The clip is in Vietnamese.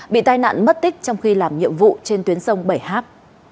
bị tai nạn mất tích trong khi làm nhiệm vụ trên tuyến sông bảy h